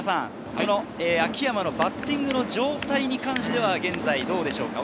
秋山のバッティングの状態に関してどうでしょうか？